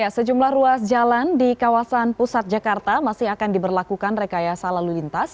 sejumlah ruas jalan di kawasan pusat jakarta masih akan diberlakukan rekayasa lalu lintas